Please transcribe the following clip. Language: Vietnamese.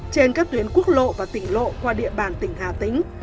trên các tuyến quốc lộ và tỉnh lộ qua địa bàn tỉnh hà tĩnh